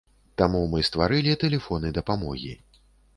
Таму мы стварылі тэлефоны дапамогі.